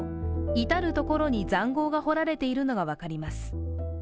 至る所に塹壕が掘られているのが分かります。